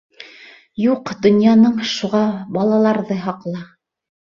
— Юҡ, донъяның, шуға... балаларҙы һаҡла.